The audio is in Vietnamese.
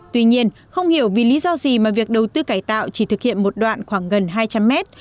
tuy nhiên không hiểu vì lý do gì mà việc đầu tư cải tạo chỉ thực hiện một đoạn khoảng gần hai trăm linh mét